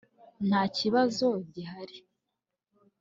nta kibazo gihari